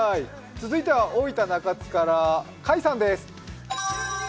続いては大分・中津から甲斐さんです。